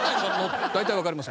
大体わかります。